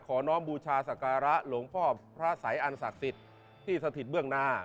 น้องบูชาสการะหลวงพ่อพระสัยอันศักดิ์สิทธิ์ที่สถิตเบื้องหน้า